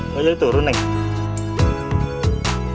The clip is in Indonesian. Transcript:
lo jadi turun ya